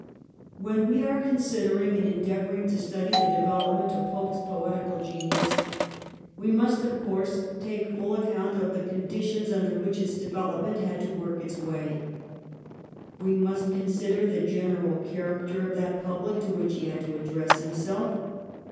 When we are considering and endeavouring to study the development of Pope's poetical genius w^ must of course take fuU account of the conditions 246 THE REIGN OF QUEEN ANNE. ch. xxxii. under which its development had to work its way. We must consider the general character of that public to which he had to address himself.